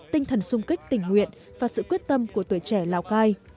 tinh thần sung kích tình nguyện và sự quyết tâm của tuổi trẻ lào cai